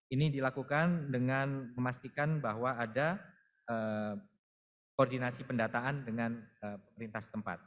ini dilakukan dengan memastikan bahwa ada koordinasi pendataan dengan perintah tempat